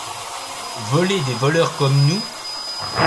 Voler des voleurs comme nous !